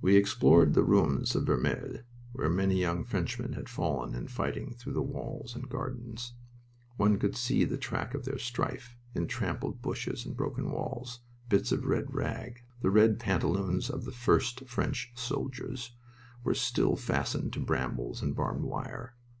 We explored the ruins of Vermelles, where many young Frenchmen had fallen in fighting through the walls and gardens. One could see the track of their strife, in trampled bushes and broken walls. Bits of red rag the red pantaloons of the first French soldiers were still fastened to brambles and barbed wire.